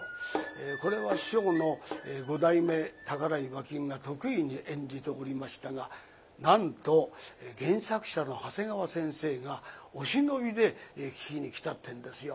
これは師匠の五代目宝井馬琴が得意に演じておりましたがなんと原作者の長谷川先生がお忍びで聞きに来たってんですよ。